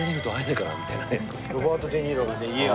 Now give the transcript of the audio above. ロバート・デ・ニーロの家が。